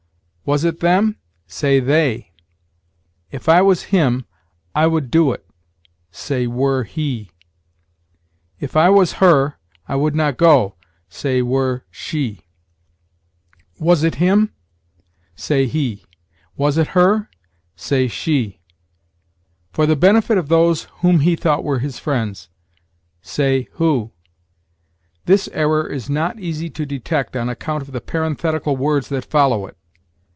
"Was it them?" say, they. "If I was him, I would do it": say, were he. "If I was her, I would not go": say, were she. "Was it him?" say, he. "Was it her?" say, she. "For the benefit of those whom he thought were his friends": say, who. This error is not easy to detect on account of the parenthetical words that follow it.